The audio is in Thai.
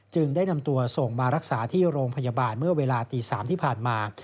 ได้นำตัวส่งมารักษาที่โรงพยาบาลเมื่อเวลาตี๓ที่ผ่านมา